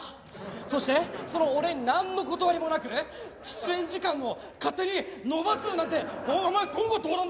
そしてその俺になんの断りもなく出演時間を勝手に延ばすなんてお前言語道断なんだよ！